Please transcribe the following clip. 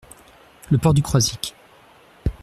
Le port du Croisic.